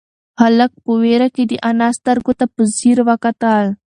هلک په وېره کې د انا سترگو ته په ځير وکتل.